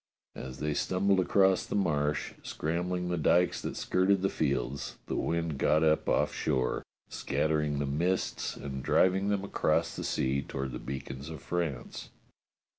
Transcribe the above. As they stumbled across the Marsh, scrambling the dykes that skirted the fields, the wind got up off shore. A CERTAIN TREE 239 scattering the mists and driving them across the sea toward the beacons of France.